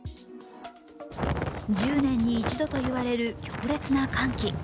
１０年に一度といわれる強烈な寒気。